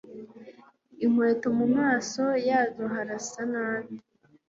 Inkweto mumaso, yazo harasa nabi